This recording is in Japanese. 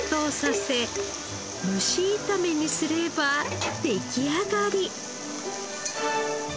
蒸し炒めにすれば出来上がり。